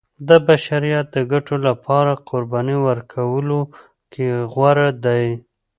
د بشریت د ګټو لپاره قربانۍ ورکولو کې غوره دی.